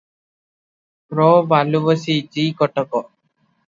ପ୍ର ବାଲୁବିଶି ଜି କଟକ ।